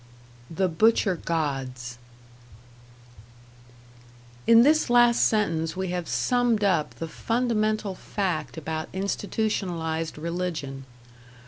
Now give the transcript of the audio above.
#The Butcher Gods# In this last sentence we have summed up the fundamental fact about institutionalized religion.